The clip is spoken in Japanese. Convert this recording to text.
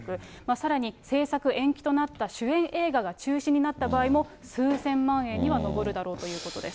さらに製作延期となった主演映画が中止になった場合も、数千万円には上るだろうということです。